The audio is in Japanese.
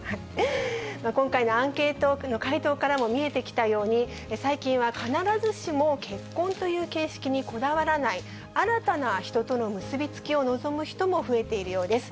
今回のアンケート、多くの回答からも見えてきたように、最近は必ずしも結婚という形式にこだわらない、新たな人との結び付きを望む人も増えているようです。